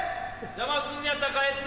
・邪魔すんのやったら帰って。